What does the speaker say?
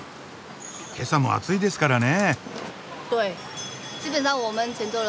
けさも暑いですからね。